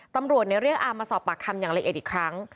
ตำรวจเรียกอามมาสอบปากคำอย่างละเอียดอีกครั้ง